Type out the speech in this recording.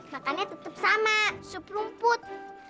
makannya tetap sama sup rumput